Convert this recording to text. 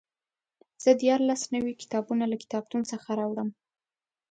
زه دیارلس نوي کتابونه له کتابتون څخه راوړم.